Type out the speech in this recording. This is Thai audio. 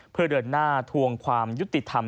เพื่อเดินหน้าทวงความยุติธรรม